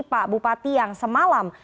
pak bupati yang semalam